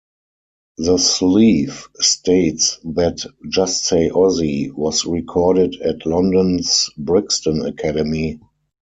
The sleeve states that "Just Say Ozzy" was recorded at London's Brixton Academy.